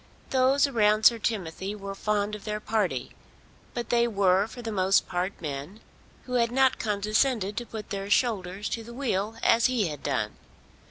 Those around Sir Timothy were fond of their party; but they were for the most part men who had not condescended to put their shoulders to the wheel as he had done.